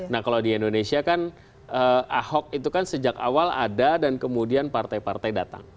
nah kalau di indonesia kan ahok itu kan sejak awal ada dan kemudian partai partai datang